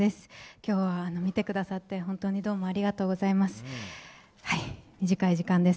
今日は来てくださって、本当にどうもありがとうございます。